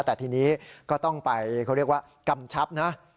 แต่ทีนี้ก็ต้องไปเขาเรียกว่ากำชับนะ